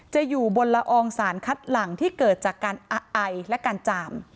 จะอยู่บนละอองสารคัดหลังที่เกิดจากการไอและการจาม